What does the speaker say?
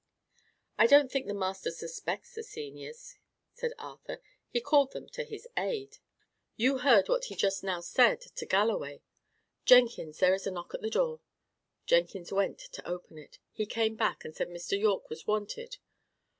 "I don't think the master suspects the seniors," said Arthur. "He called them to his aid." "You heard what he just now said to Galloway. Jenkins, there is a knock at the door." Jenkins went to open it. He came back, and said Mr. Yorke was wanted.